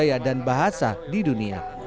budaya dan bahasa di dunia